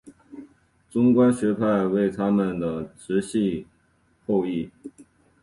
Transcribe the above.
中观学派为他们的直系后裔。